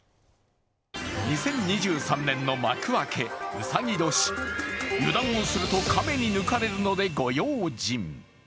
２０２３年の幕開け、うさぎ年、油断をすると亀に抜かれるのでご用心。